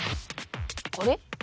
あれ？